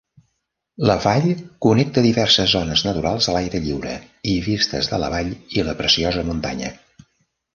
La vall connecta diverses zones naturals a l'aire lliure i vistes de la vall i la preciosa muntanya.